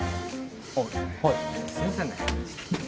あっはいすいませんね